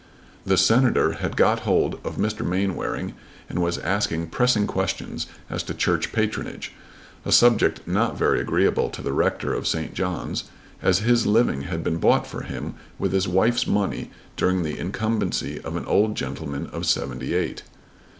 The Senator had got hold of Mr. Mainwaring and was asking pressing questions as to church patronage, a subject not very agreeable to the rector of St. John's, as his living had been bought for him with his wife's money during the incumbency of an old gentleman of seventy eight.